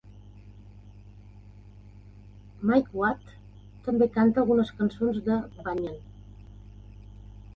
Mike Watt també canta algunes cançons de Banyan.